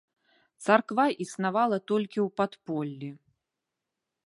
Царква існавала толькі ў падполлі.